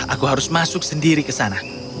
aku harus masuk sendiri ke sana